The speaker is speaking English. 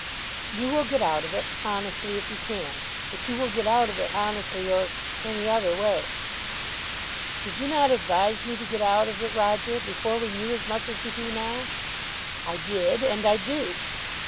"You will get out of it, honestly if you can; but you will get out of it honestly or any other way." "Did you not advise me to get out of it, Roger; before we knew as much as we do now?" "I did, and I do.